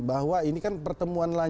bahwa ini kan pertemuan lagi